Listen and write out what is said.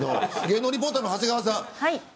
芸能リポーターの長谷川さん。